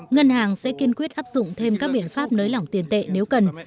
ngân hàng sẽ kiên quyết áp dụng thêm các biện pháp nới lỏng tiền tệ nếu cần